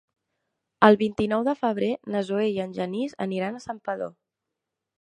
El vint-i-nou de febrer na Zoè i en Genís aniran a Santpedor.